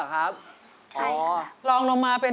คิดถึง